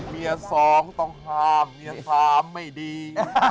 เมียสองต้องห้ามเมียความไม่ดี